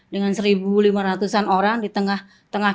dengan seribu lima ratus an orang di tengah